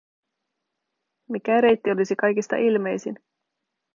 Mikä reitti olisi kaikista ilmeisin?